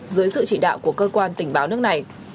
dưới sự chỉ đạo của cơ quan tình báo nước này